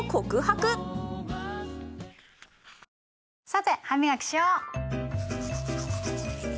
さて歯磨きしよう。